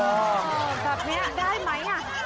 แบบนี้ได้ไหม